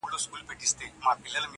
چي یې تاب د هضمېدو نسته وجود کي,